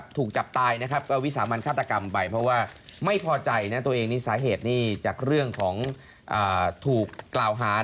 ถูกจับตายวิสามันฆาตกรรมไปเพราะว่าไม่พอใจตัวเองสาเหตุจากเรื่องถูกกล่าวหา